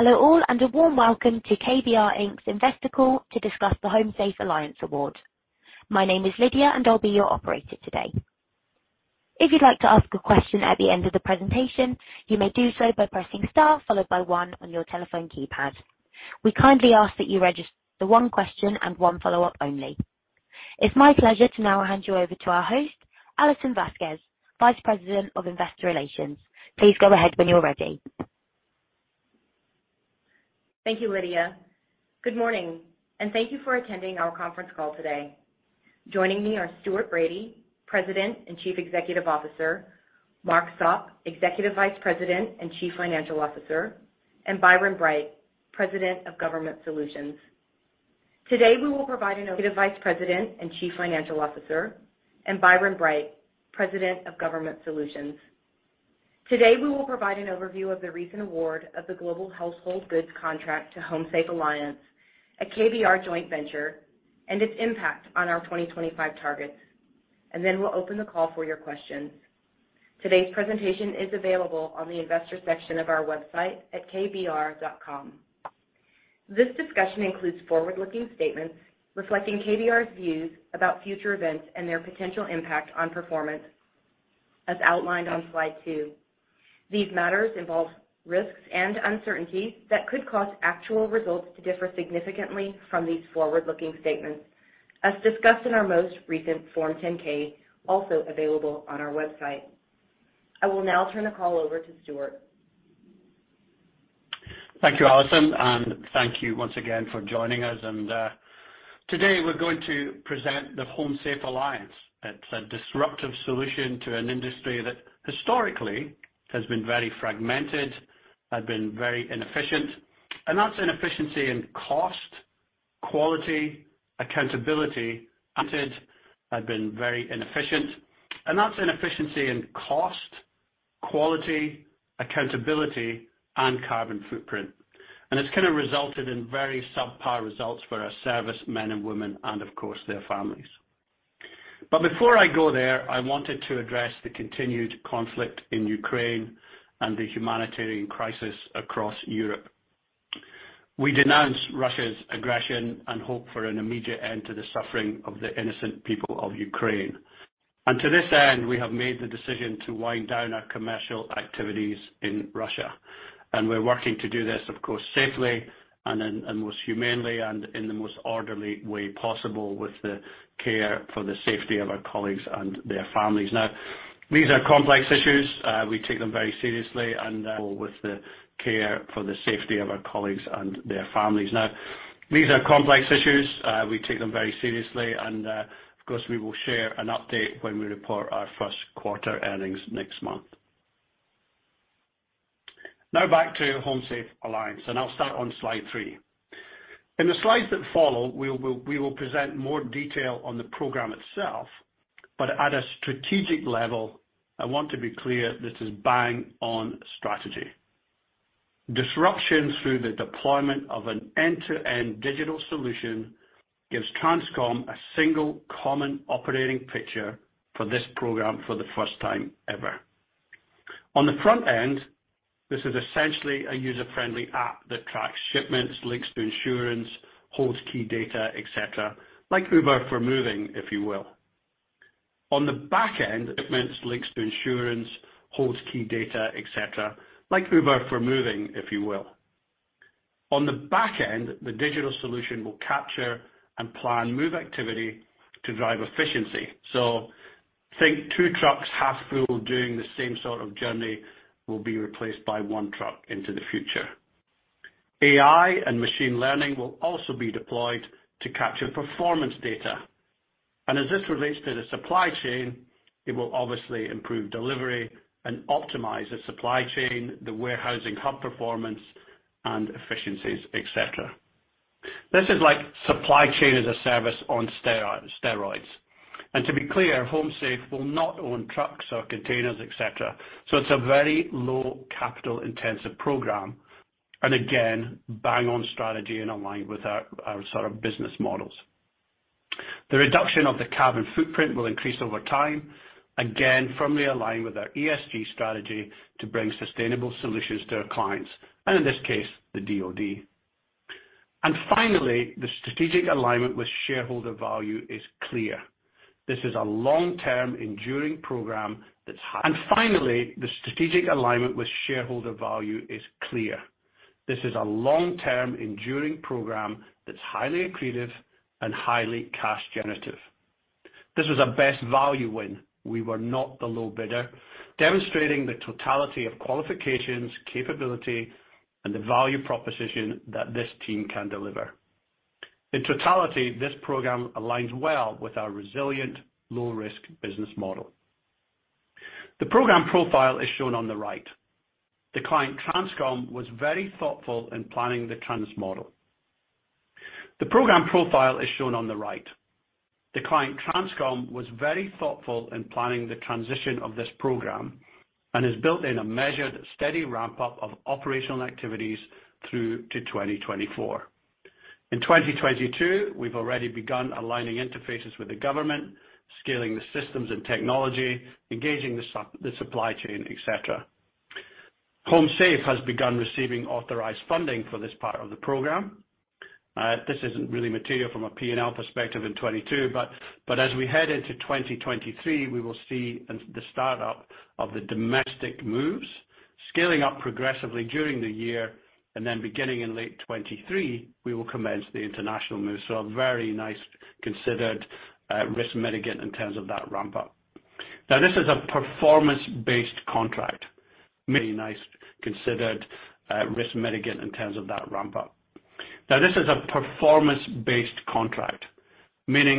Hello, all, and a warm welcome to KBR, Inc.'s Investor Call to discuss the HomeSafe Alliance Award. My name is Lydia, and I'll be your operator today. If you'd like to ask a question at the end of the presentation, you may do so by pressing star followed by one on your telephone keypad. We kindly ask that you register one question and one follow-up only. It's my pleasure to now hand you over to our host, Alison Vasquez, Vice President of Investor Relations. Please go ahead when you're ready. Thank you, Lydia. Good morning, and thank you for attending our conference call today. Joining me are Stuart Bradie, President and Chief Executive Officer, Mark Sopp, Executive Vice President and Chief Financial Officer, and Byron Bright, President of Government Solutions. Today, we will provide an overview of the recent award of the Global Household Goods Contract to HomeSafe Alliance, a KBR joint venture, and its impact on our 2025 targets. We'll open the call for your questions. Today's presentation is available on the investor section of our website at kbr.com. This discussion includes forward-looking statements reflecting KBR's views about future events and their potential impact on performance as outlined on slide two. These matters involve risks and uncertainties that could cause actual results to differ significantly from these forward-looking statements, as discussed in our most recent Form 10-K, also available on our website. I will now turn the call over to Stuart. Thank you, Alison. Thank you once again for joining us. Today we're going to present the HomeSafe Alliance. It's a disruptive solution to an industry that historically has been very fragmented, had been very inefficient, and that's inefficiency in cost, quality, accountability, and carbon footprint. It's kinda resulted in very subpar results for our service men and women and, of course, their families. Before I go there, I wanted to address the continued conflict in Ukraine and the humanitarian crisis across Europe. We denounce Russia's aggression and hope for an immediate end to the suffering of the innocent people of Ukraine. To this end, we have made the decision to wind down our commercial activities in Russia. We're working to do this, of course, safely and most humanely and in the most orderly way possible with the care for the safety of our colleagues and their families. These are complex issues, we take them very seriously, and of course, we will share an update when we report our first quarter earnings next month. Now back to HomeSafe Alliance, and I'll start on slide three. In the slides that follow, we will present more detail on the program itself. At a strategic level, I want to be clear, this is bang on strategy. Disruption through the deployment of an end-to-end digital solution gives USTRANSCOM a single common operating picture for this program for the first time ever. On the front end, this is essentially a user-friendly app that tracks shipments, links to insurance, holds key data, etc. Like Uber for moving, if you will. On the back end, the digital solution will capture and plan move activity to drive efficiency. Think two trucks half full doing the same sort of journey will be replaced by one truck into the future. AI and machine learning will also be deployed to capture performance data. As this relates to the supply chain, it will obviously improve delivery and optimize the supply chain, the warehousing hub performance and efficiencies, etc. This is like supply chain as a service on steroids. To be clear, HomeSafe will not own trucks or containers, etc. So it's a very low capital-intensive program, and again, bang on strategy and in line with our our sort of business models. The reduction of the carbon footprint will increase over time, again, firmly aligned with our ESG strategy to bring sustainable solutions to our clients, and in this case, the DoD. Finally, the strategic alignment with shareholder value is clear. This is a long-term, enduring program that's highly accretive and highly cash generative. This was a best value win. We were not the low bidder, demonstrating the totality of qualifications, capability, and the value proposition that this team can deliver. In totality, this program aligns well with our resilient, low-risk business model. The program profile is shown on the right. The client, USTRANSCOM, was very thoughtful in planning the transition of this program and has built in a measured, steady ramp-up of operational activities through to 2024. In 2022, we've already begun aligning interfaces with the government, scaling the systems and technology, engaging the supply chain, et cetera. HomeSafe has begun receiving authorized funding for this part of the program. This isn't really material from a P&L perspective in 2022, but as we head into 2023, we will see the start-up of the domestic moves scaling up progressively during the year, and then beginning in late 2023, we will commence the international move. A very nice, considered risk mitigation in terms of that ramp up. Now, this is a performance-based contract, meaning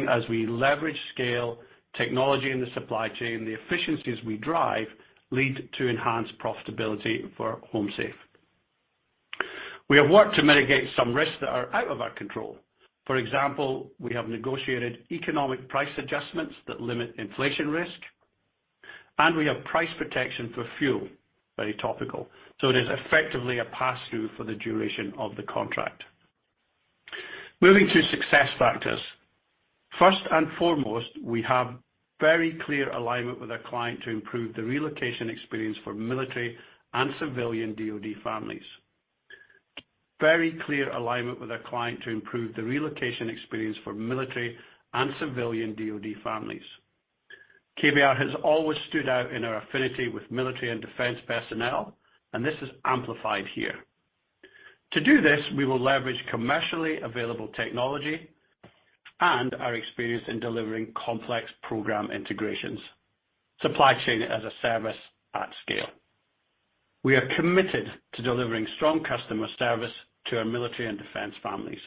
as we leverage scale and technology in the supply chain, the efficiencies we drive lead to enhanced profitability for HomeSafe. We have worked to mitigate some risks that are out of our control. For example, we have negotiated economic price adjustments that limit inflation risk, and we have price protection for fuel, very topical. It is effectively a pass-through for the duration of the contract. Moving to success factors. First and foremost, we have very clear alignment with our client to improve the relocation experience for military and civilian DoD families. KBR has always stood out in our affinity with military and defense personnel, and this is amplified here. To do this, we will leverage commercially available technology and our experience in delivering complex program integrations, supply chain as a service at scale. We are committed to delivering strong customer service to our military and defense families.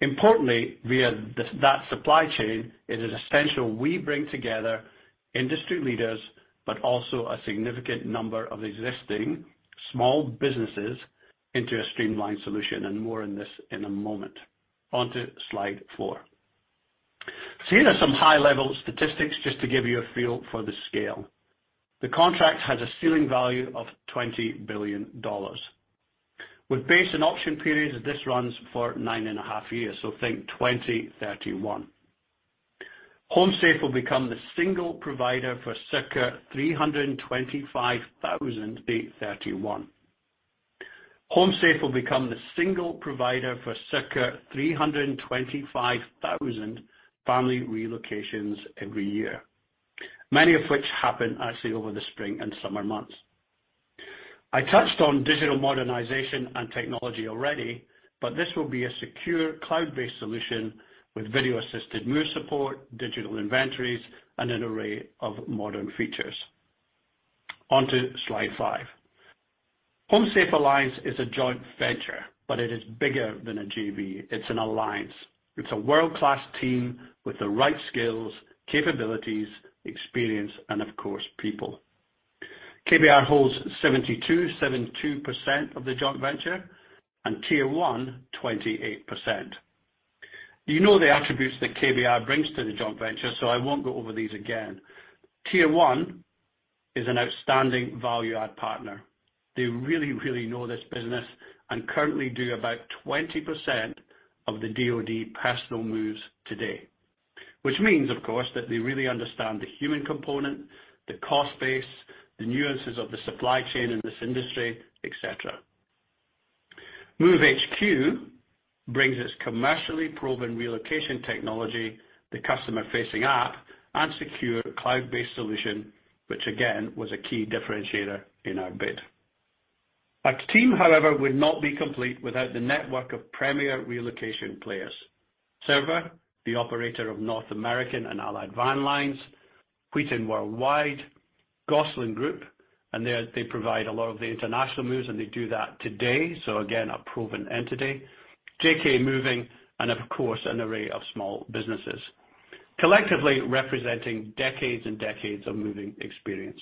Importantly, via this, that supply chain, it is essential we bring together industry leaders, but also a significant number of existing small businesses into a streamlined solution, and more on this in a moment. Onto slide four. Here are some high-level statistics just to give you a feel for the scale. The contract has a ceiling value of $20 billion. With base and option periods, this runs for nine and a half years. Think 2031. HomeSafe will become the single provider for circa 325,000-331,000. HomeSafe will become the single provider for circa 325,000 family relocations every year, many of which happen actually over the spring and summer months. I touched on digital modernization and technology already, but this will be a secure cloud-based solution with video-assisted move support, digital inventories, and an array of modern features. Onto slide five. HomeSafe Alliance is a joint venture, but it is bigger than a JV. It's an alliance. It's a world-class team with the right skills, capabilities, experience, and of course, people. KBR holds 72% of the joint venture, and Tier 1, 28%. You know the attributes that KBR brings to the joint venture, so I won't go over these again. Tier 1 is an outstanding value-add partner. They really, really know this business and currently do about 20% of the DoD personal moves today. Which means, of course, that they really understand the human component, the cost base, the nuances of the supply chain in this industry, et cetera. MoveHQ brings its commercially proven relocation technology, the customer-facing app, and secure cloud-based solution, which again, was a key differentiator in our bid. Our team, however, would not be complete without the network of premier relocation players. SIRVA, the operator of North American and Allied Van Lines, Wheaton World Wide Moving, Gosselin Group, and they provide a lot of the international moves, and they do that today. So again, a proven entity. JK Moving Services, and of course, an array of small businesses, collectively representing decades and decades of moving experience.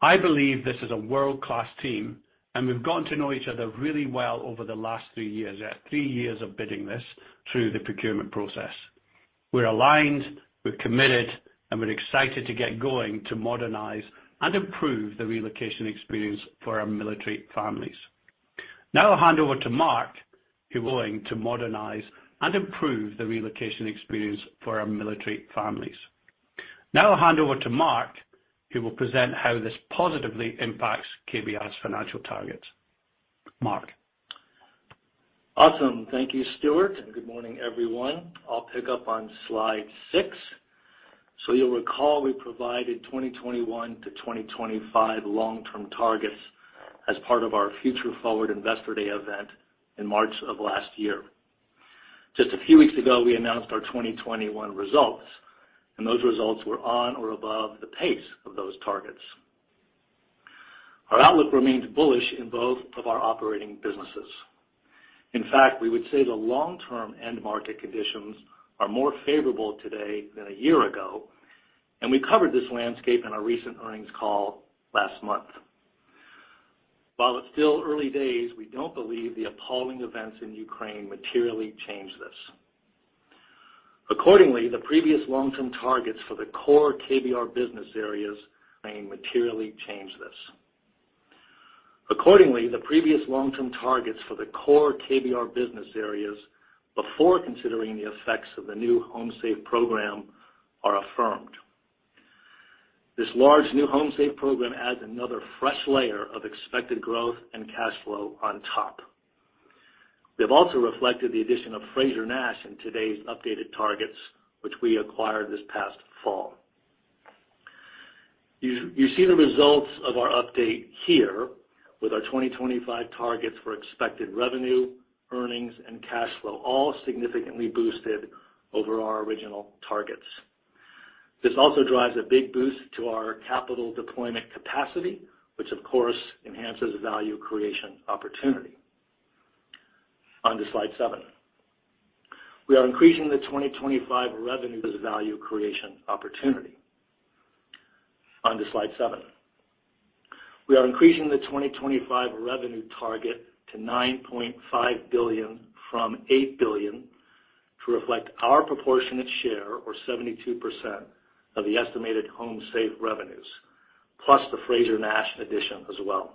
I believe this is a world-class team, and we've gotten to know each other really well over the last three years. We had three years of bidding this through the procurement process. We're aligned, we're committed, and we're excited to get going to modernize and improve the relocation experience for our military families. Now I'll hand over to Mark, who will present how this positively impacts KBR's financial targets. Mark. Awesome. Thank you, Stuart, and good morning, everyone. I'll pick up on slide six. You'll recall we provided 2021-2025 long-term targets as part of our Future Forward Investor Day event in March of last year. Just a few weeks ago, we announced our 2021 results, and those results were on or above the pace of those targets. Our outlook remains bullish in both of our operating businesses. In fact, we would say the long-term end market conditions are more favorable today than a year ago, and we covered this landscape in our recent earnings call last month. While it's still early days, we don't believe the appalling events in Ukraine materially change this. Accordingly, the previous long-term targets for the core KBR business areas may materially change this. Accordingly, the previous long-term targets for the core KBR business areas before considering the effects of the new HomeSafe program are affirmed. This large new HomeSafe program adds another fresh layer of expected growth and cash flow on top. We have also reflected the addition of Frazer-Nash in today's updated targets, which we acquired this past fall. You see the results of our update here with our 2025 targets for expected revenue, earnings, and cash flow all significantly boosted over our original targets. This also drives a big boost to our capital deployment capacity, which of course enhances value creation opportunity. On to slide seven. We are increasing the 2025 revenue and value creation opportunity. We are increasing the 2025 revenue target to $9.5 billion from $8 billion to reflect our proportionate share of 72% of the estimated HomeSafe revenues, plus the Frazer-Nash addition as well.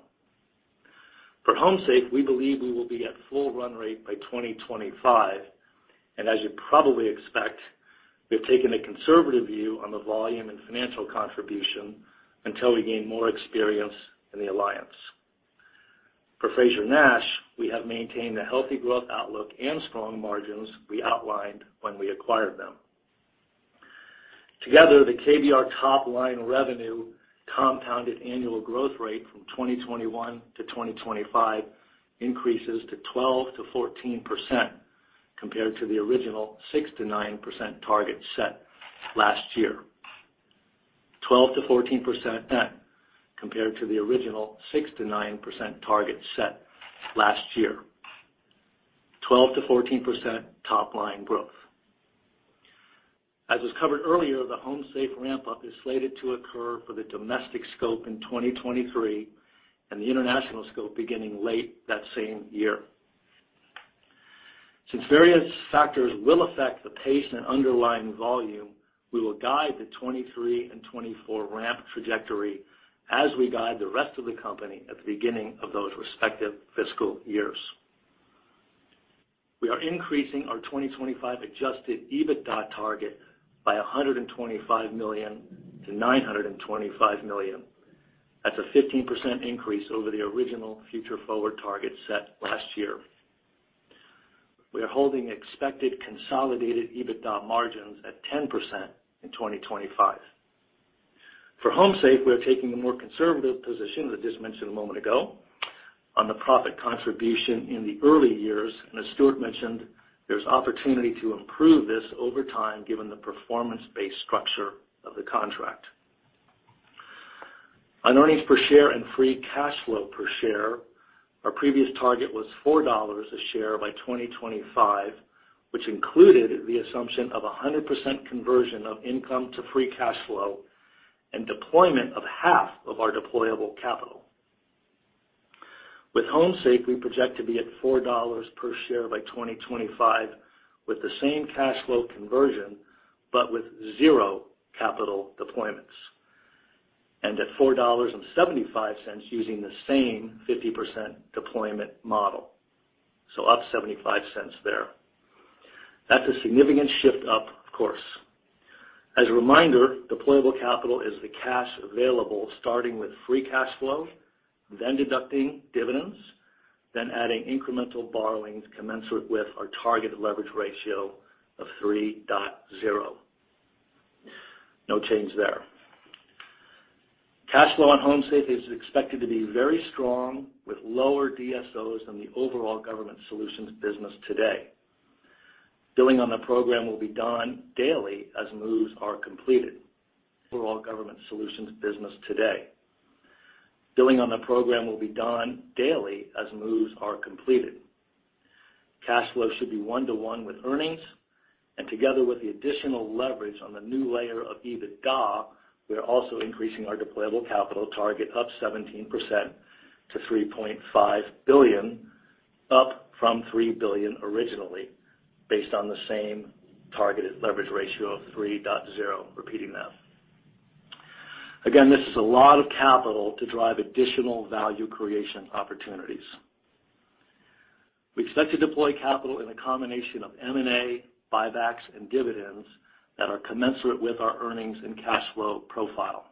For HomeSafe, we believe we will be at full run rate by 2025, and as you probably expect, we have taken a conservative view on the volume and financial contribution until we gain more experience in the alliance. For Frazer-Nash, we have maintained a healthy growth outlook and strong margins we outlined when we acquired them. Together, the KBR top line revenue compounded annual growth rate from 2021 to 2025 increases to 12%-14% compared to the original 6%-9% target set last year. 12%-14% top line growth. As was covered earlier, the HomeSafe ramp-up is slated to occur for the domestic scope in 2023 and the international scope beginning late that same year. Since various factors will affect the pace and underlying volume, we will guide the 2023 and 2024 ramp trajectory as we guide the rest of the company at the beginning of those respective fiscal years. We are increasing our 2025 adjusted EBITDA target by $125 million-$925 million. That's a 15% increase over the original Future Forward target set last year. We are holding expected consolidated EBITDA margins at 10% in 2025. For HomeSafe, we are taking a more conservative position, as I just mentioned a moment ago, on the profit contribution in the early years. As Stuart mentioned, there's opportunity to improve this over time given the performance-based structure of the contract. On earnings per share and free cash flow per share, our previous target was $4 per share by 2025, which included the assumption of 100% conversion of income to free cash flow and deployment of half of our deployable capital. With HomeSafe, we project to be at $4 per share by 2025 with the same cash flow conversion, but with zero capital deployments. At $4.75 using the same 50% deployment model. Up $0.75 there. That's a significant shift up, of course. As a reminder, deployable capital is the cash available starting with free cash flow, then deducting dividends, then adding incremental borrowings commensurate with our targeted leverage ratio of 3.0. No change there. Cash flow on HomeSafe is expected to be very strong with lower DSOs than the overall Government Solutions business today. Billing on the program will be done daily as moves are completed. Cash flow should be 1:1 with earnings, and together with the additional leverage on the new layer of EBITDA, we are also increasing our deployable capital target up 17% to $3.5 billion, up from $3 billion originally, based on the same targeted leverage ratio of 3.0, repeating that. Again, this is a lot of capital to drive additional value creation opportunities. We expect to deploy capital in a combination of M&A, buybacks, and dividends that are commensurate with our earnings and cash flow profile.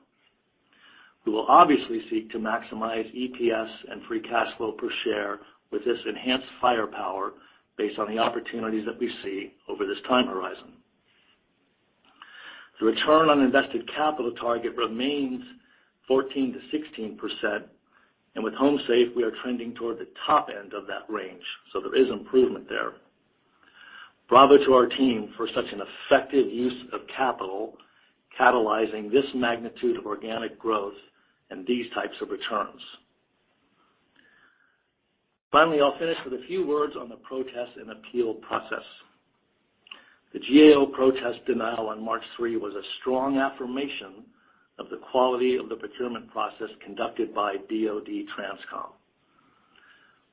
We will obviously seek to maximize EPS and free cash flow per share with this enhanced firepower based on the opportunities that we see over this time horizon. The return on invested capital target remains 14%-16%, and with HomeSafe, we are trending toward the top end of that range. There is improvement there. Bravo to our team for such an effective use of capital, catalyzing this magnitude of organic growth and these types of returns. Finally, I'll finish with a few words on the protest and appeal process. The GAO protest denial on March 3 was a strong affirmation of the quality of the procurement process conducted by DoD USTRANSCOM.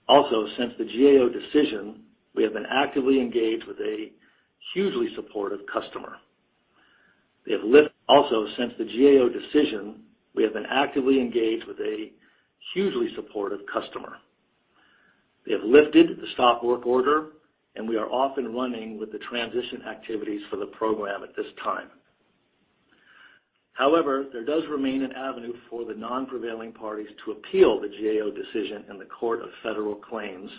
Also, since the GAO decision, we have been actively engaged with a hugely supportive customer. They have lifted the stop work order, and we are off and running with the transition activities for the program at this time. However, there does remain an avenue for the non-prevailing parties to appeal the GAO decision in the United States Court of Federal Claims,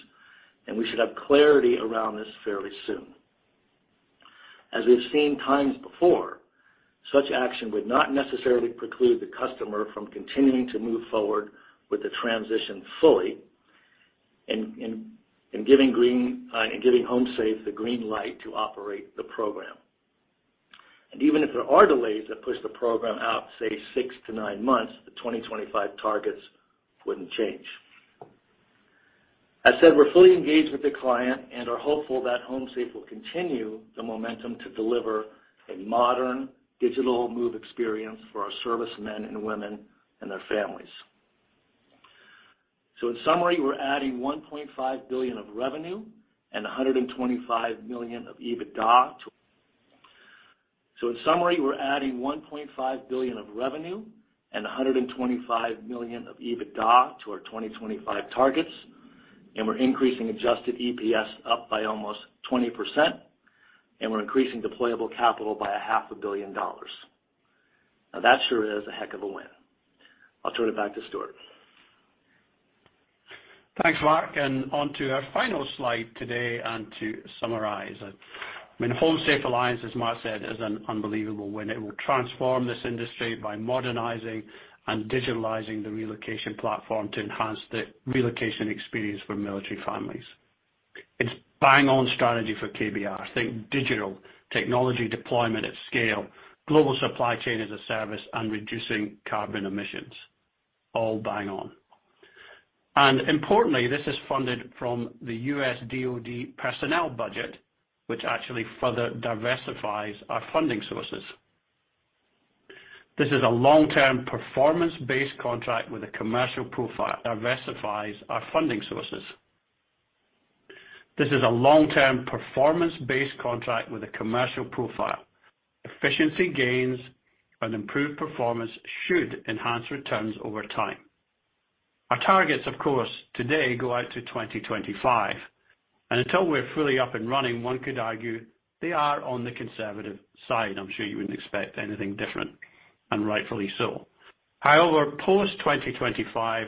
and we should have clarity around this fairly soon. As we've seen times before, such action would not necessarily preclude the customer from continuing to move forward with the transition fully and giving HomeSafe the green light to operate the program. Even if there are delays that push the program out, say, six-nine months, the 2025 targets wouldn't change. As said, we're fully engaged with the client and are hopeful that HomeSafe will continue the momentum to deliver a modern digital move experience for our servicemen and women and their families. In summary, we're adding $1.5 billion of revenue and $125 million of EBITDA to our 2025 targets. We're increasing adjusted EPS up by almost 20%, and we're increasing deployable capital by half a billion dollars. Now, that sure is a heck of a win. I'll turn it back to Stuart. Thanks, Mark. On to our final slide today and to summarize. I mean, HomeSafe Alliance, as Mark said, is an unbelievable win. It will transform this industry by modernizing and digitalizing the relocation platform to enhance the relocation experience for military families. It's bang on strategy for KBR. Think digital technology deployment at scale, global supply chain as a service, and reducing carbon emissions. All bang on. Importantly, this is funded from the U.S. DoD personnel budget, which actually further diversifies our funding sources. This is a long-term performance-based contract with a commercial profile. Efficiency gains and improved performance should enhance returns over time. Our targets, of course, today go out to 2025, and until we're fully up and running, one could argue they are on the conservative side. I'm sure you wouldn't expect anything different, and rightfully so. However, post-2025,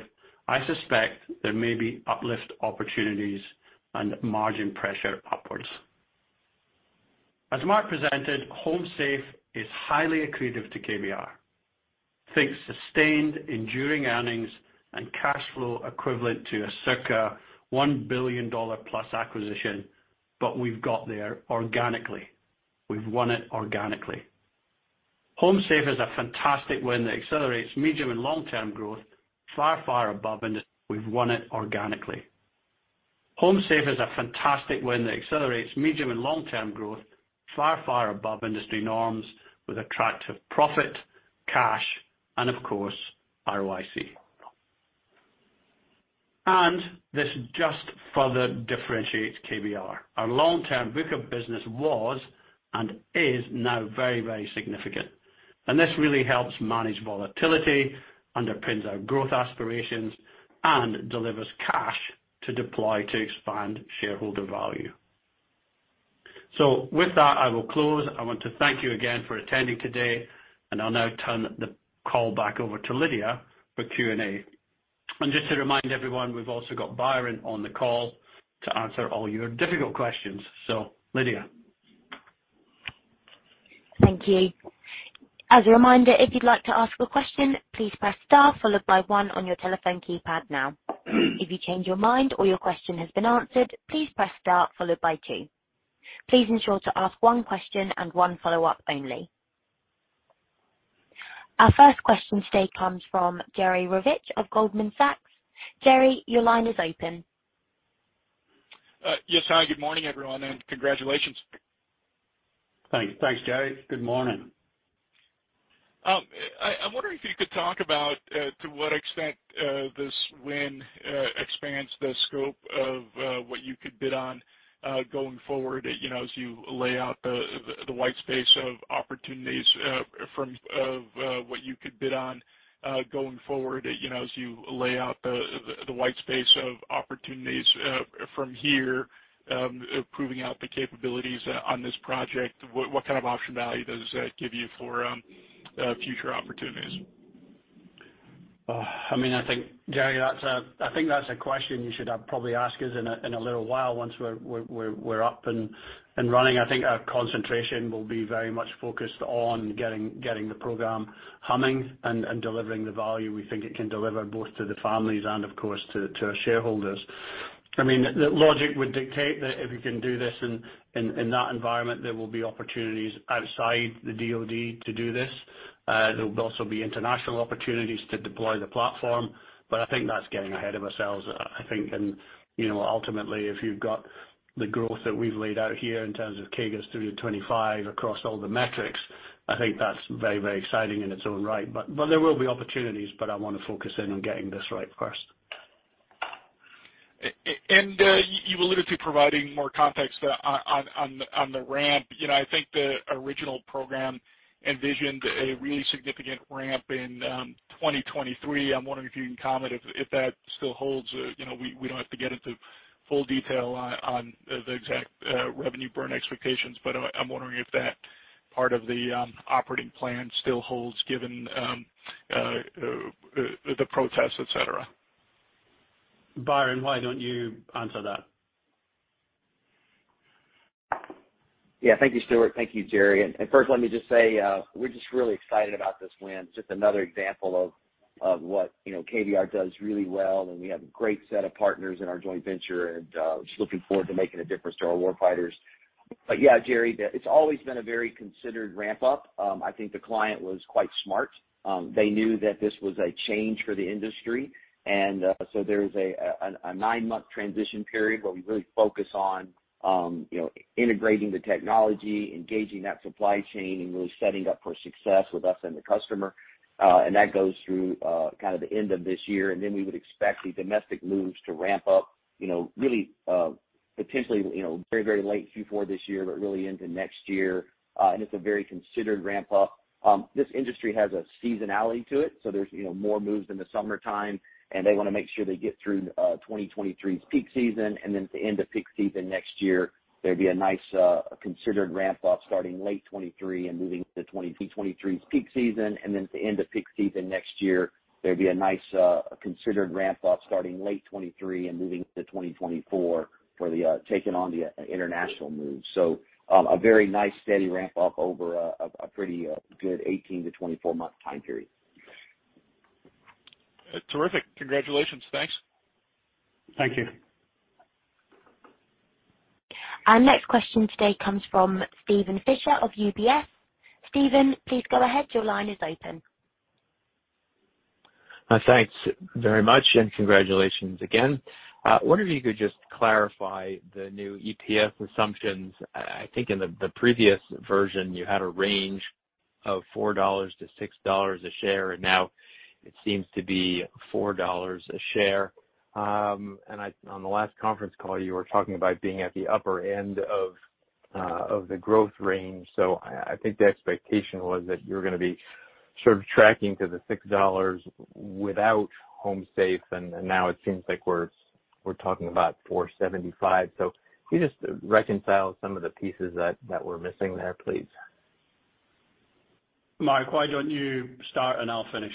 I suspect there may be uplift opportunities and margin pressure upwards. As Mark presented, HomeSafe is highly accretive to KBR. Think sustained enduring earnings and cash flow equivalent to a circa $1 billion-plus acquisition, but we've got there organically. We've won it organically. HomeSafe is a fantastic win that accelerates medium- and long-term growth far, far above industry norms with attractive profit, cash and of course, ROIC. This just further differentiates KBR. Our long-term book of business was and is now very, very significant. This really helps manage volatility, underpins our growth aspirations, and delivers cash to deploy to expand shareholder value. With that, I will close. I want to thank you again for attending today, and I'll now turn the call back over to Lydia for Q&A. Just to remind everyone, we've also got Byron on the call to answer all your difficult questions. Lydia. Thank you. As a reminder, if you'd like to ask a question, please press star followed by one on your telephone keypad now. If you change your mind or your question has been answered, please press star followed by two. Please ensure to ask one question and one follow-up only. Our first question today comes from Jerry Revich of Goldman Sachs. Jerry, your line is open. Yes, hi, good morning, everyone, and congratulations. Thanks. Thanks, Jerry. Good morning. I'm wondering if you could talk about to what extent this win expands the scope of what you could bid on going forward, you know, as you lay out the white space of opportunities from here, proving out the capabilities on this project, what kind of optionality does that give you for future opportunities? I mean, I think, Jerry, that's a question you should probably ask us in a little while once we're up and running. I think our concentration will be very much focused on getting the program humming and delivering the value we think it can deliver both to the families and of course to our shareholders. I mean, the logic would dictate that if you can do this in that environment, there will be opportunities outside the DoD to do this. There will also be international opportunities to deploy the platform. I think that's getting ahead of ourselves. I think, and you know, ultimately, if you've got the growth that we've laid out here in terms of CAGRs through 2025 across all the metrics, I think that's very, very exciting in its own right there will be opportunities, but I wanna focus in on getting this right first. You alluded to providing more context on the ramp. You know, I think the original program envisioned a really significant ramp in 2023. I'm wondering if you can comment if that still holds. You know, we don't have to get into full detail on the exact revenue burn expectations, but I'm wondering if that part of the operating plan still holds given the protests, et cetera. Byron, why don't you answer that? Yeah. Thank you, Stuart. Thank you, Jerry. First let me just say, we're just really excited about this win. It's just another example of what, you know, KBR does really well, and we have a great set of partners in our joint venture and just looking forward to making a difference to our war fighters. Yeah, Jerry, it's always been a very considered ramp up. I think the client was quite smart. They knew that this was a change for the industry and there's a nine-month transition period where we really focus on, you know, integrating the technology, engaging that supply chain, and really setting up for success with us and the customer. That goes through kind of the end of this year, and then we would expect the domestic moves to ramp up, you know, really, potentially, you know, very, very late Q4 this year, but really into next year. It's a very considered ramp up. This industry has a seasonality to it, so there's, you know, more moves in the summertime, and they wanna make sure they get through 2023's peak season. Then at the end of peak season next year, there'd be a nice, considered ramp up starting late 2023 and moving into 2024 for the taking on the international moves so a very nice steady ramp up over a pretty good 18-24 month time period. Terrific. Congratulations. Thanks. Thank you. Our next question today comes from Steven Fisher of UBS. Steven, please go ahead. Your line is open. Thanks very much, and congratulations again. I wonder if you could just clarify the new EPS assumptions. I think in the previous version you had a range of $4-$6 a share, and now it seems to be $4 a share. And on the last conference call, you were talking about being at the upper end of the growth range. I think the expectation was that you were gonna be sort of tracking to the $6 without HomeSafe, and now it seems like we're talking about $4.75. Can you just reconcile some of the pieces that we're missing there, please? Mark, why don't you start, and I'll finish.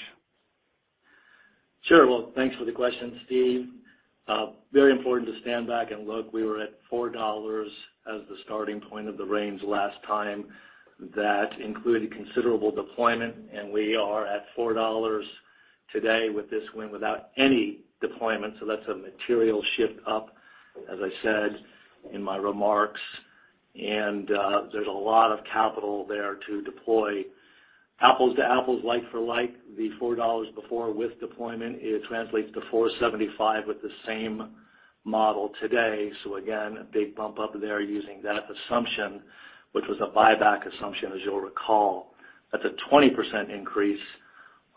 Sure. Well, thanks for the question, Steve. Very important to stand back and look. We were at $4 as the starting point of the range last time. That included considerable deployment, and we are at $4 today with this win without any deployment, so that's a material shift up, as I said in my remarks. There's a lot of capital there to deploy. Apples to apples, like for like, the $4 before with deployment, it translates to $4.75 with the same model today. So again, a big bump up there using that assumption, which was a buyback assumption, as you'll recall. That's a 20% increase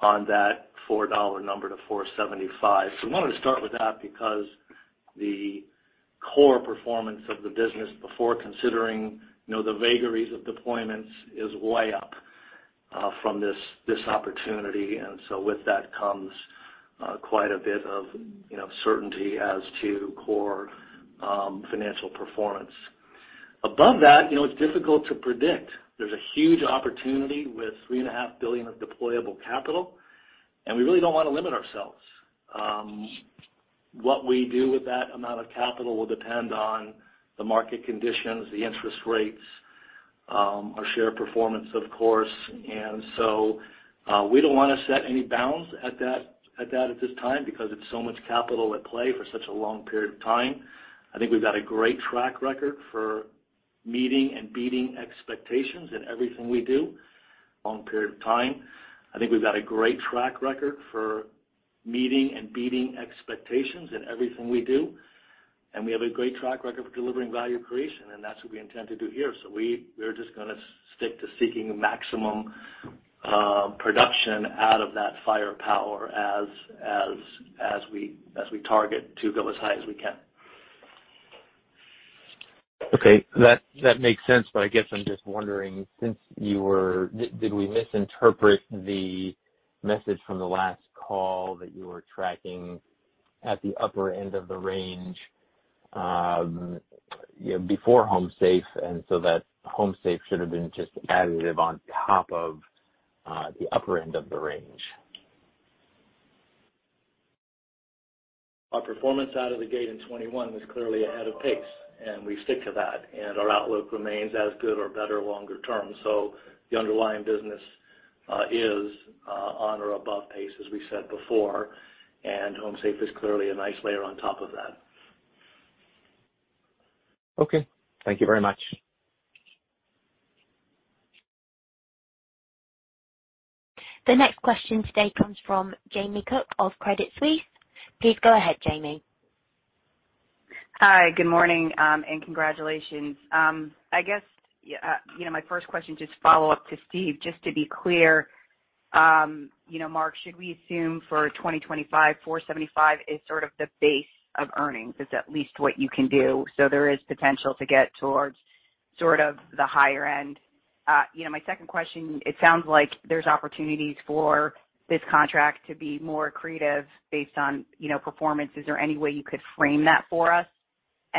on that $4 number to $4.75. I wanted to start with that because the core performance of the business before considering, you know, the vagaries of deployments is way up from this opportunity. With that comes quite a bit of, you know, certainty as to core financial performance. Above that, you know, it's difficult to predict. There's a huge opportunity with $3.5 billion of deployable capital, and we really don't wanna limit ourselves. What we do with that amount of capital will depend on the market conditions, the interest rates, our share performance of course. We don't wanna set any bounds at that at this time because it's so much capital at play for such a long period of time. I think we've got a great track record for meeting and beating expectations in everything we do, and we have a great track record for delivering value creation, and that's what we intend to do here. We're just gonna stick to seeking maximum production out of that firepower as we target to go as high as we can. Okay. That makes sense, but I guess I'm just wondering. Did we misinterpret the message from the last call that you were tracking at the upper end of the range, you know, before HomeSafe, and so that HomeSafe should have been just additive on top of the upper end of the range? Our performance out of the gate in 2021 was clearly ahead of pace, and we stick to that, and our outlook remains as good or better longer term. The underlying business is on or above pace as we said before, and HomeSafe is clearly a nice layer on top of that. Okay. Thank you very much. The next question today comes from Jamie Cook of Credit Suisse. Please go ahead, Jamie. Hi, good morning, and congratulations. I guess, you know, my first question just follow up to Steve, just to be clear, you know, Mark, should we assume for 2025, $4.75 is sort of the base of earnings? Is that at least what you can do? There is potential to get towards sort of the higher end. You know, my second question, it sounds like there's opportunities for this contract to be more creative based on, you know, performance. Is there any way you could frame that for us?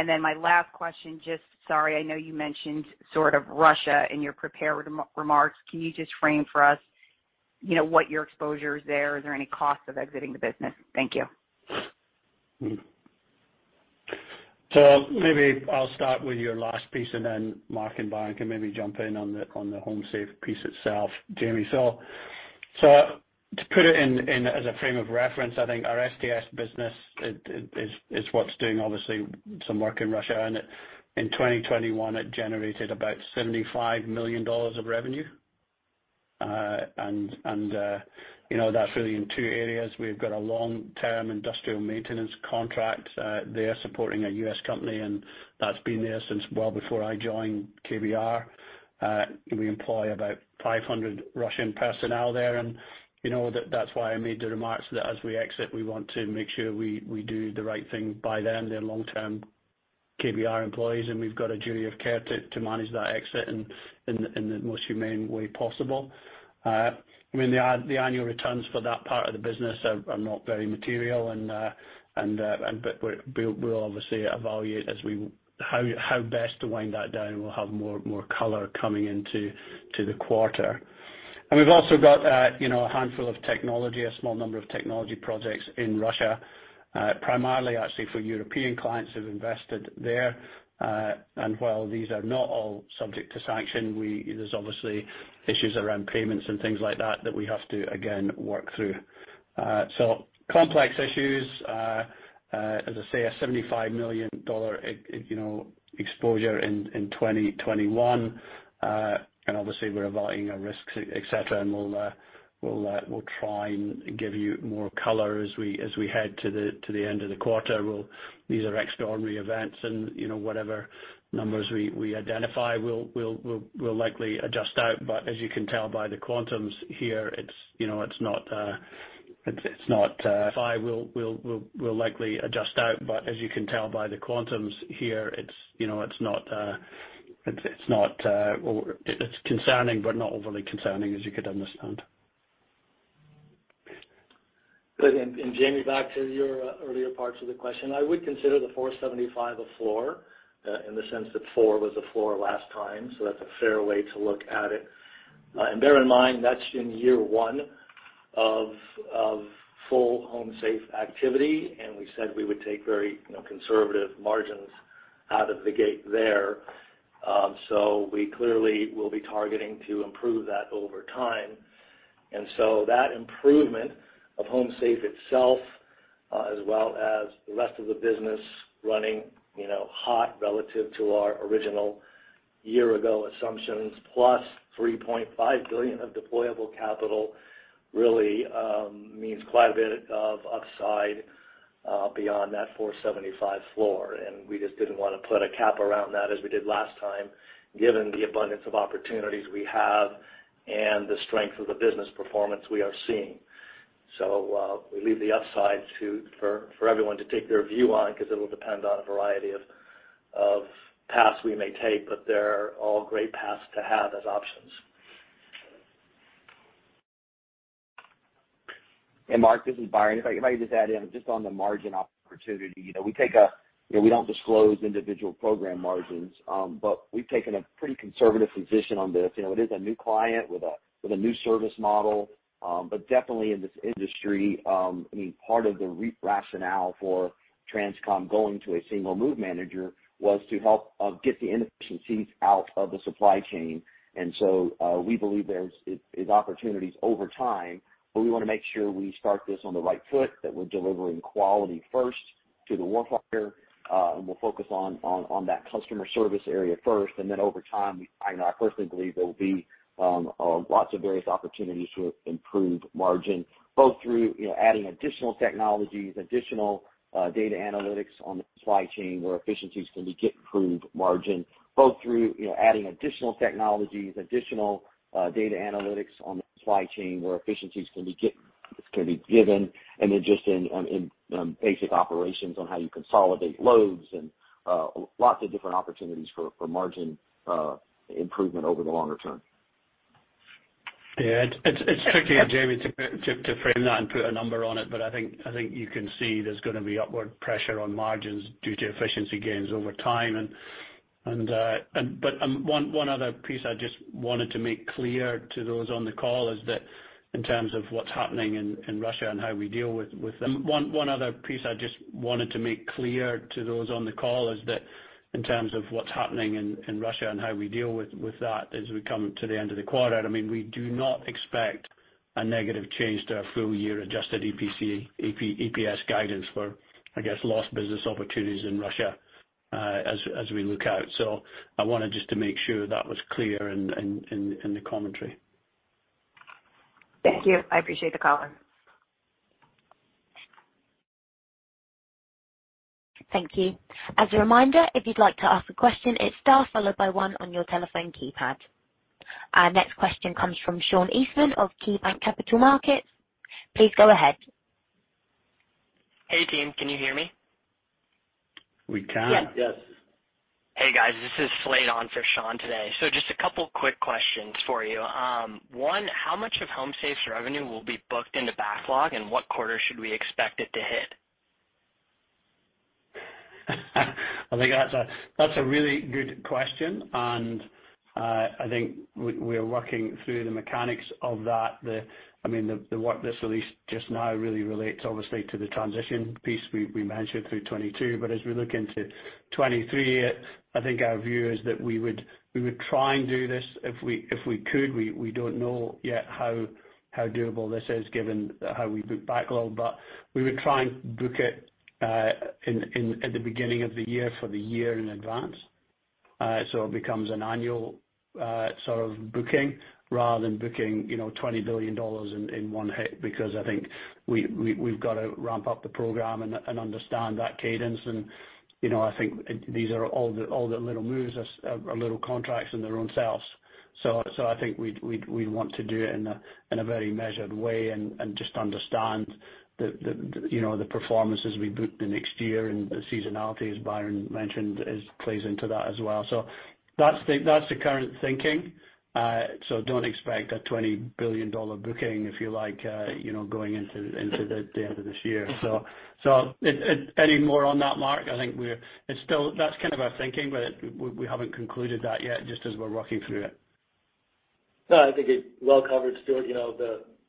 Then my last question, just sorry, I know you mentioned sort of Russia in your prepared remarks. Can you just frame for us, you know, what your exposure is there? Is there any cost of exiting the business? Thank you. Maybe I'll start with your last piece and then Mark and Byron can maybe jump in on the HomeSafe piece itself, Jamie. To put it in as a frame of reference, I think our STS business is what's doing obviously some work in Russia. In 2021, it generated about $75 million of revenue. You know, that's really in two areas. We've got a long-term industrial maintenance contract there supporting a U.S. company, and that's been there since well before I joined KBR. We employ about 500 Russian personnel there. You know, that's why I made the remarks that as we exit, we want to make sure we do the right thing by them. They're long-term KBR employees, and we've got a duty of care to manage that exit in the most humane way possible. I mean, the annual returns for that part of the business are not very material. But we'll obviously evaluate how best to wind that down. We'll have more color coming into the quarter. We've also got, you know, a handful of technology, a small number of technology projects in Russia, primarily actually for European clients who've invested there. While these are not all subject to sanction, there's obviously issues around payments and things like that that we have to again, work through. Complex issues, as I say, a $75 million exposure in 2021. Obviously we're evaluating our risks, et cetera. We'll try and give you more color as we head to the end of the quarter. These are extraordinary events and, you know, whatever numbers we identify, we'll likely adjust out. As you can tell by the quantums here, it's, you know, it's not, or it's concerning but not overly concerning as you could understand. Good. Jamie, back to your earlier parts of the question. I would consider the $475 a floor, in the sense that four was a floor last time. That's a fair way to look at it. Bear in mind, that's in year one of full HomeSafe activity, and we said we would take very, you know, conservative margins out of the gate there. We clearly will be targeting to improve that over time. That improvement of HomeSafe itself, as well as the rest of the business running, you know, hot relative to our original year-ago assumptions, plus $3.5 billion of deployable capital really means quite a bit of upside beyond that $475 floor. We just didn't want to put a cap around that as we did last time, given the abundance of opportunities we have and the strength of the business performance we are seeing. We leave the upside to for everyone to take their view on because it'll depend on a variety of paths we may take, but they're all great paths to have as options. Hey Mark, this is Byron. If I could just add in just on the margin opportunity. You know, we take a you know, we don't disclose individual program margins, but we've taken a pretty conservative position on this. You know, it is a new client with a new service model. But definitely in this industry, I mean, part of the rationale for TransCom going to a single move manager was to help get the inefficiencies out of the supply chain. We believe there's opportunities over time, but we wanna make sure we start this on the right foot, that we're delivering quality first to the war fighter, and we'll focus on that customer service area first. Over time, I know I personally believe there will be lots of various opportunities to improve margin, both through, you know, adding additional technologies, additional data analytics on the supply chain, where efficiencies can be gained. Just in basic operations on how you consolidate loads and lots of different opportunities for margin improvement over the longer term. Yeah. It's tricky, Jamie, to frame that and put a number on it. I think you can see there's gonna be upward pressure on margins due to efficiency gains over time. One other piece I just wanted to make clear to those on the call is that in terms of what's happening in Russia and how we deal with that as we come to the end of the quarter, I mean, we do not expect a negative change to our full year adjusted EPS guidance for, I guess, lost business opportunities in Russia. As we look out. I wanted just to make sure that was clear in the commentary. Thank you. I appreciate the call. Thank you. As a reminder, if you'd like to ask a question, it's star followed by one on your telephone keypad. Our next question comes from Sean Eastman of KeyBanc Capital Markets. Please go ahead. Hey, team, can you hear me? We can. Yes. Hey, guys. This is Slade on for Sean today. Just a couple quick questions for you. One, how much of HomeSafe's revenue will be booked into backlog, and what quarter should we expect it to hit? I think that's a really good question, and I think we're working through the mechanics of that. I mean, the work that's released just now really relates obviously to the transition piece we mentioned through 2022. As we look into 2023, I think our view is that we would try and do this if we could. We don't know yet how doable this is given how we book backlog, but we would try and book it in at the beginning of the year for the year in advance. It becomes an annual sort of booking rather than booking, you know, $20 billion in one hit, because I think we've got to ramp up the program and understand that cadence. You know, I think these are all the little moves are little contracts in their own selves. I think we'd want to do it in a very measured way and just understand the performances we book the next year and the seasonality, as Byron mentioned, is plays into that as well. That's the current thinking. Don't expect a $20 billion booking, if you like, you know, going into the end of this year. It. Any more on that, Mark? I think we're. It's still. That's kind of our thinking, but we haven't concluded that yet, just as we're working through it. No, I think it's well covered, Stuart. You know,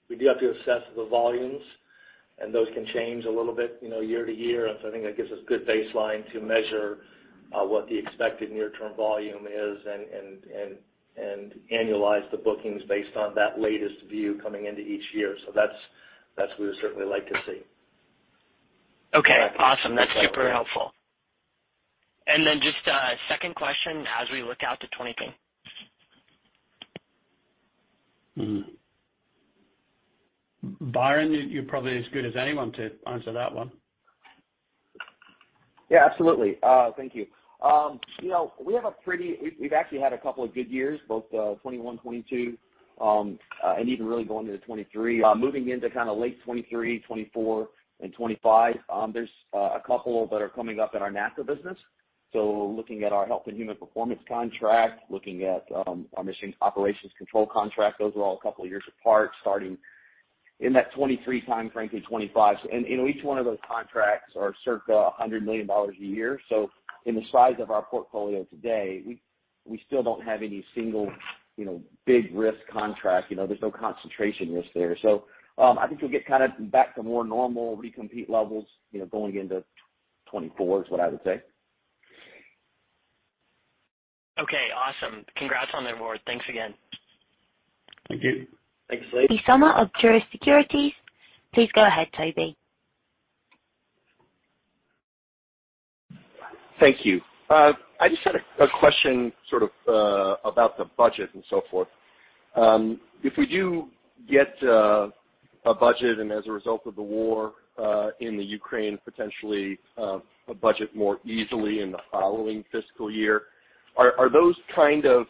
we do have to assess the volumes, and those can change a little bit, you know, year to year. I think that gives us a good baseline to measure what the expected near-term volume is and annualize the bookings based on that latest view coming into each year. That's what we would certainly like to see. Okay. Awesome. That's super helpful. Just a second question as we look out to 2023. Byron, you're probably as good as anyone to answer that one. Yeah, absolutely. Thank you. You know, we've actually had a couple of good years, both 2021, 2022, and even really going into 2023. Moving into kind of late 2023, 2024, and 2025, there's a couple that are coming up in our NASA business. So looking at our Human Health and Performance Contract, looking at our Integrated Mission Operations Contract, those are all a couple of years apart, starting in that 2023 time frame through 2025. You know, each one of those contracts are circa $100 million a year. So in the size of our portfolio today, we still don't have any single, you know, big risk contract. You know, there's no concentration risk there. I think you'll get kind of back to more normal recompete levels, you know, going into 2024 is what I would say. Okay, awesome. Congrats on the award. Thanks again. Thank you. Thanks, Slade. Tobey Sommer of Truist Securities. Please go ahead, Tobey. Thank you. I just had a question sort of about the budget and so forth. If we do get a budget and as a result of the war in the Ukraine, potentially a budget more easily in the following fiscal year, are those kind of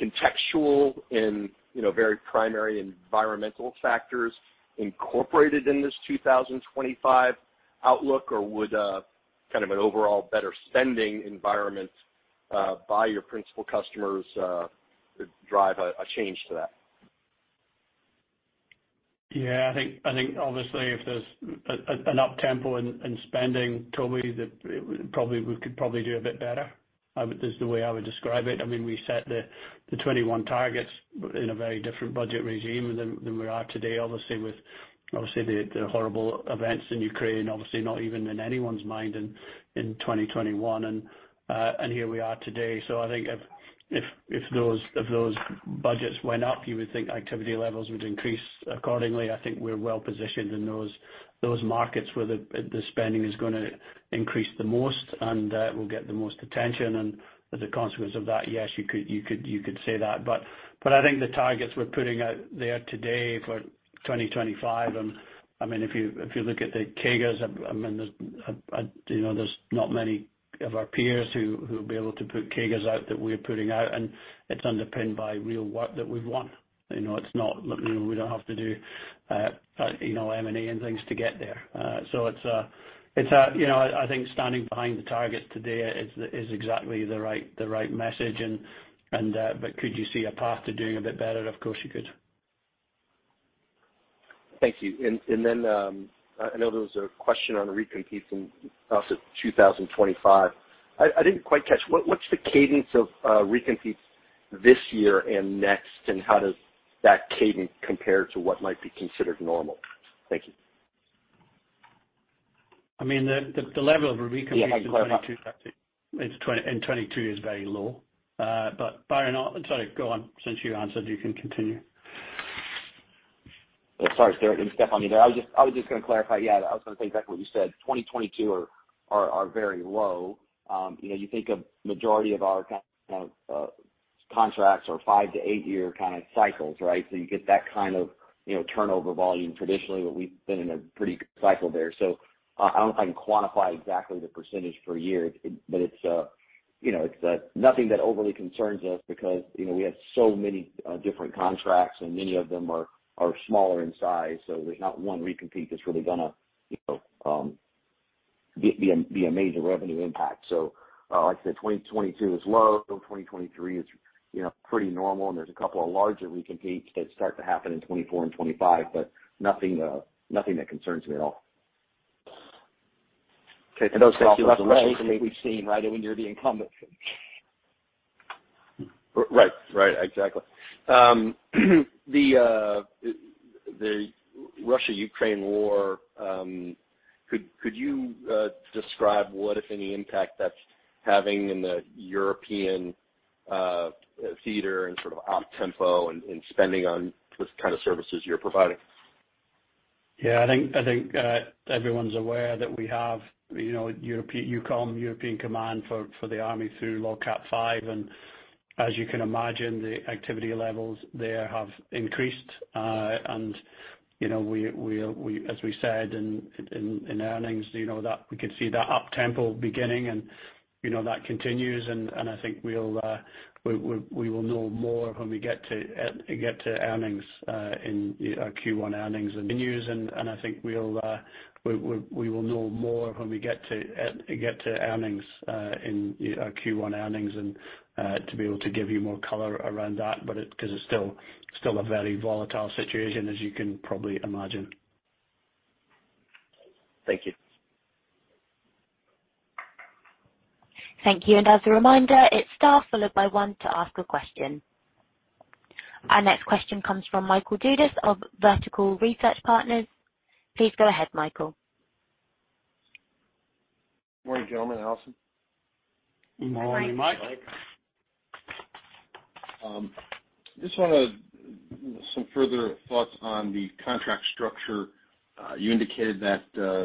contextual and, you know, very primary environmental factors incorporated in this 2025 outlook? Or would a kind of an overall better spending environment by your principal customers drive a change to that? I think obviously if there's an uptempo in spending, Tobey, probably we could do a bit better is the way I would describe it. I mean, we set the 2021 targets in a very different budget regime than we are today, obviously, with the horrible events in Ukraine, obviously not even in anyone's mind in 2021. Here we are today. I think if those budgets went up, you would think activity levels would increase accordingly. I think we're well positioned in those markets where the spending is gonna increase the most, and will get the most attention. As a consequence of that, yes, you could say that. I think the targets we're putting out there today for 2025, I mean, if you look at the CAGRs, I mean, you know, there's not many of our peers who will be able to put CAGRs out that we're putting out, and it's underpinned by real work that we've won. You know, it's not, you know, we don't have to do, you know, M&A and things to get there. It's, you know, I think standing behind the target today is exactly the right message. Could you see a path to doing a bit better? Of course you could. Thank you. I know there was a question on recompetes in also 2025. I didn't quite catch. What's the cadence of recompetes this year and next, and how does that cadence compare to what might be considered normal? Thank you. I mean, the level of recompetes. In 2022 is very low. Byron, sorry. Go on. Since you answered, you can continue. Sorry, Stuart, let me step on you there. I was just gonna clarify. Yeah, I was gonna say exactly what you said. 2022 are very low. You know, you think of majority of our kind of contracts are five-eight-year kind of cycles, right? You get that kind of, you know, turnover volume traditionally, but we've been in a pretty good cycle there. I don't think I can quantify exactly the percentage per year, but it's, you know, it's nothing that overly concerns us because, you know, we have so many different contracts and many of them are smaller in size, so there's not one recompete that's really gonna, you know, be a major revenue impact. Like I said, 2022 is low. 2023 is, you know, pretty normal, and there's a couple of larger recompetes that start to happen in 2024 and 2025, but nothing that concerns me at all. Okay. Those kind of recompetes. We've seen right when you're the incumbent. Right. Right, exactly. The Russia-Ukraine war, could you describe what, if any, impact that's having in the European theater and sort of op tempo and spending on the kind of services you're providing? Yeah, I think everyone's aware that we have, you know, Europe, EUCOM, European Command for the Army through LOGCAP V. As you can imagine, the activity levels there have increased. You know, as we said in earnings, you know, that we could see that uptempo beginning and, you know, that continues and I think we'll know more when we get to earnings in our Q1 earnings and to be able to give you more color around that, but because it's still a very volatile situation as you can probably imagine. Thank you. Thank you. As a reminder, it's star followed by one to ask a question. Our next question comes from Michael Dudas of Vertical Research Partners. Please go ahead, Michael. Morning, gentlemen. Alison. Morning, Mike. Morning, Mike. Just want some further thoughts on the contract structure. You indicated that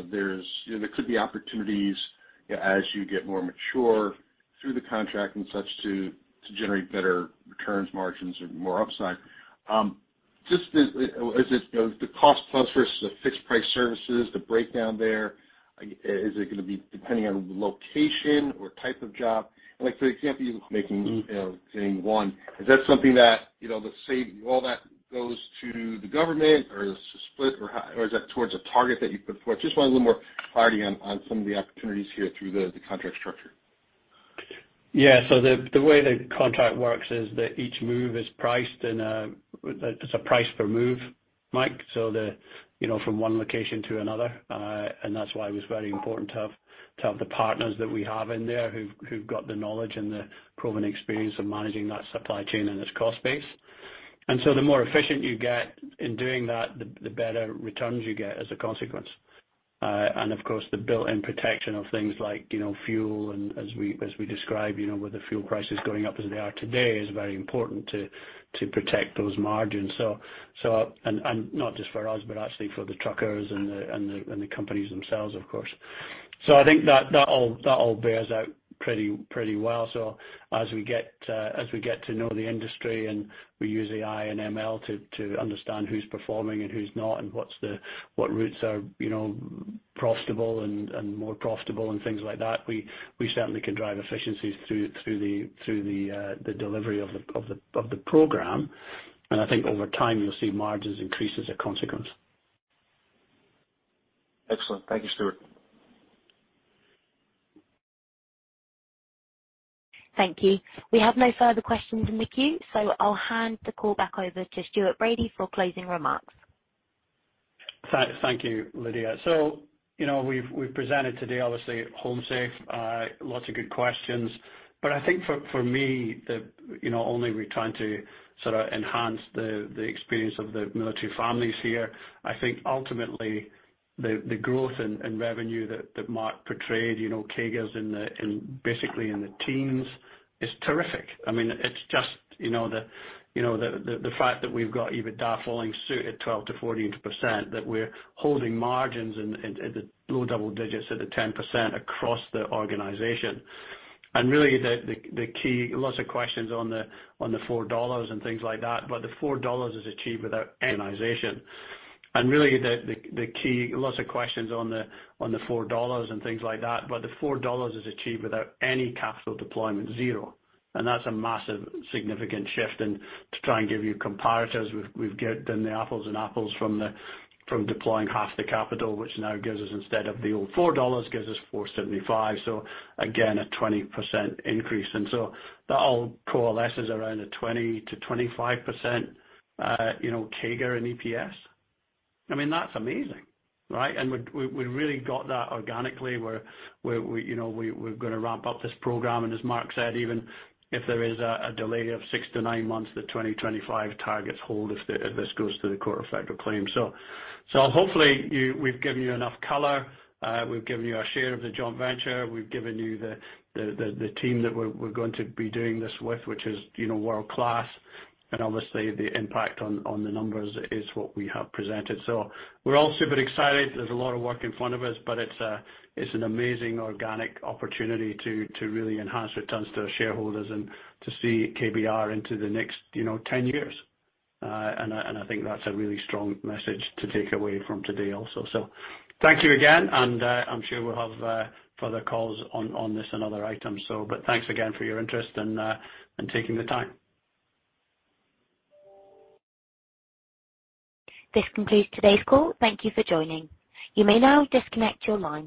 there's you know there could be opportunities as you get more mature through the contract and such to generate better return margins or more upside. Just as it you know the cost plus versus the fixed price services the breakdown there is it gonna be depending on the location or type of job? Like for example Zone 1 is that something that you know the savings all that goes to the government or is it split or is that towards a target that you put forth? Just wanted a little more clarity on some of the opportunities here through the contract structure. Yeah. The way the contract works is that each move is priced and there's a price per move, Mike. You know, from one location to another, and that's why it was very important to have the partners that we have in there who've got the knowledge and the proven experience of managing that supply chain and its cost base. The more efficient you get in doing that, the better returns you get as a consequence. Of course, the built-in protection of things like, you know, fuel and as we describe, you know, with the fuel prices going up as they are today is very important to protect those margins. Not just for us, but actually for the truckers and the companies themselves, of course. I think that all bears out pretty well. As we get to know the industry and we use AI and ML to understand who's performing and who's not and what routes are, you know, profitable and more profitable and things like that, we certainly can drive efficiencies through the delivery of the program. I think over time, you'll see margins increase as a consequence. Excellent. Thank you, Stuart. Thank you. We have no further questions in the queue, so I'll hand the call back over to Stuart Bradie for closing remarks. Thank you, Lydia. You know, we've presented today, obviously HomeSafe, lots of good questions. I think for me, you know, we're trying to sort of enhance the experience of the military families here. I think ultimately the growth and revenue that Mark portrayed, you know, CAGRs in basically the teens is terrific. I mean, it's just, you know, the fact that we've got EBITDA following suit at 12%-14%, that we're holding margins in at the low double digits at the 10% across the organization. Really lots of questions on the $4 and things like that, but the $4 is achieved without any capital deployment, zero. That's a massive significant shift. To try and give you comparators, we've done the apples-to-apples from deploying half the capital, which now gives us instead of the old $4, gives us $4.75. Again, a 20% increase. That all coalesces around a 20%-25% CAGR in EPS. I mean, that's amazing, right? We really got that organically where we're gonna ramp up this program, and as Mark said, even if there is a delay of six-nine months, the 2025 targets hold if this goes to the Court of Federal Claims. Hopefully we've given you enough color. We've given you our share of the joint venture. We've given you the team that we're going to be doing this with, which is, you know, world-class. Obviously, the impact on the numbers is what we have presented. We're all super excited. There's a lot of work in front of us, but it's an amazing organic opportunity to really enhance returns to our shareholders and to see KBR into the next, you know, 10 years. I think that's a really strong message to take away from today also. Thank you again, and I'm sure we'll have further calls on this and other items. Thanks again for your interest and taking the time. This concludes today's call. Thank you for joining. You may now disconnect your lines.